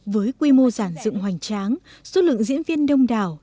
với quy mô giản dựng hoành tráng số lượng diễn viên đông đảo